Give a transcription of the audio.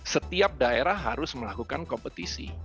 setiap daerah harus melakukan kompetisi